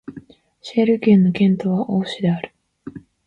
ジェール県の県都はオーシュである